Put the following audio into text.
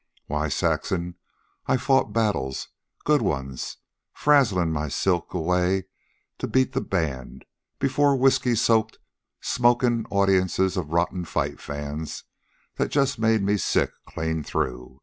"Why, Saxon, I've fought battles, good ones, frazzlin' my silk away to beat the band before whisky soaked, smokin' audiences of rotten fight fans, that just made me sick clean through.